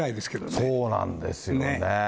そうなんですよね。